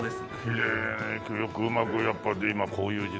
へえよくうまくやっぱ今こういう時代なんだ。